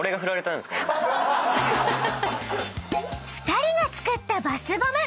［２人が作ったバスボム